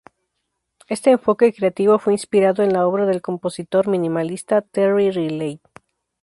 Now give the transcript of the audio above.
Este enfoque creativo fue inspirado en la obra del compositor minimalista Terry Riley.